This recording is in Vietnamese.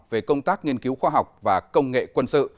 về công tác nghiên cứu khoa học và công nghệ quân sự